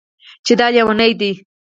چې دا لېونۍ ده